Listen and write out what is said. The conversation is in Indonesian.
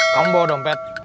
kamu bawa dompet